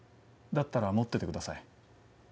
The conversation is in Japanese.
だったら持っててください。